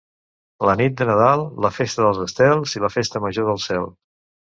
La nit de Nadal, la festa dels estels i la festa major del cel.